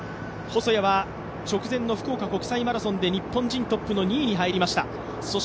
細谷は直前の福岡国際マラソンで日本人トップの２位に入りました。